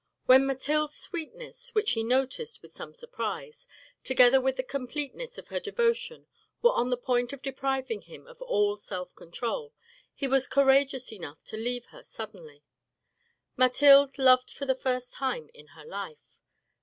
When Mathiide's sweetness, which he noticed with some surprise, together with the completeness of her devotion were on the point of depriving him of all self control, he was courageous enough to leave her suddenly. Mathilde loved for the first time in her life.